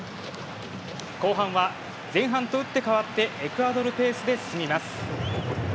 後半は前半と打って変わってエクアドルペースで進みます。